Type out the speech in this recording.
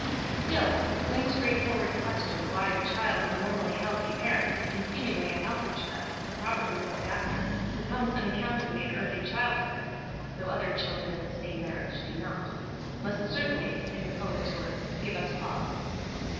Still the plain straightforward question why a child of normally healthy parents and seemingly a healthy child and properly looked after succumbs unaccountably in early childhood (though other children of the same marriage do not) must certainly, in the poet's words, give us pause.